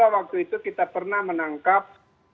waktu itu kita pernah menangkap